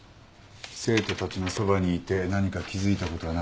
生徒たちのそばにいて何か気付いたことはなかったか？